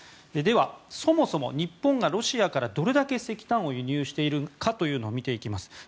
では、そもそも日本がロシアからどれだけ石炭を輸入しているかというのを見ていきます。